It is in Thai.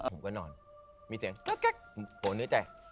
ผมก็นอนมีเสียงโหเนื้อใจ